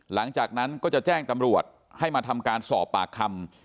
หลังจากนั้นก็จะแจ้งตำรวจให้มาทำการสอบปากคำ